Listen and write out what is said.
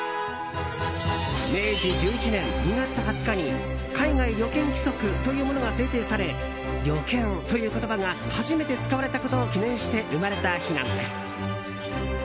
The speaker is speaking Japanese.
明治１１年２月２０日に海外旅券規則というものが制定され旅券という言葉が初めて使われたことを記念して生まれた日なんです。